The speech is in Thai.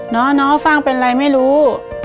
น้อน้อฟังเป็นไรไม่รู้